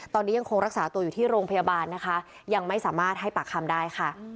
ตอนนี้ยังคงรักษาตัวอยู่ที่โรงพยาบาลนะคะยังไม่สามารถให้ปากคำได้ค่ะ